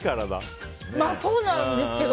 まあ、そうなんですけど。